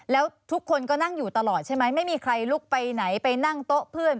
แล้วทุกคนก็นั่งอยู่ตลอดใช่ไหมไม่มีใครลุกไปไหนไปนั่งโต๊ะเพื่อน